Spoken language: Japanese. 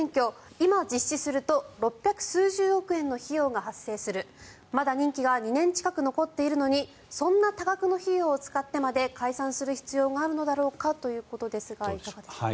今、実施すると６００数十億円の費用が発生するまだ任期が２年近く残っているのにそんな多額の費用を使ってまで解散する必要があるのだろうかということですがいかがでしょうか。